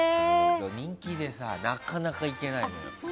人気でなかなか行けないの。